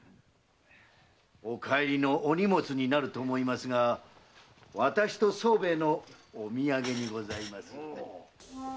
お帰りのお荷物になると思いますが私と宗兵衛のお土産にございます。